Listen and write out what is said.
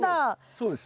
そうです。